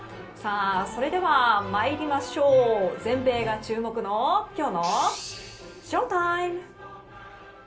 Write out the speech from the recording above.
それでは，参りましょう全米が注目のＳＨＯＴＩＭＥ！